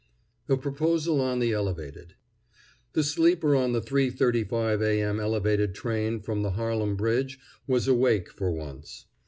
A PROPOSAL ON THE ELEVATED The sleeper on the 3:35 A. M. elevated train from the Harlem bridge was awake for once.